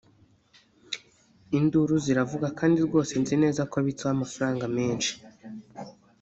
induru ziravuga kandi rwose nzi neza ko abitsaho amafaranga menshi